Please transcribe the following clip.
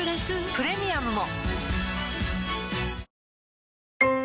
プレミアムも